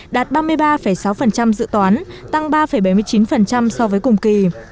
đạt ba mươi ba sáu dự toán tăng ba bảy mươi chín so với cùng kỳ